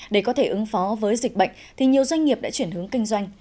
để có thể ứng phó với dịch bệnh thì nhiều doanh nghiệp đã chuyển hướng kinh doanh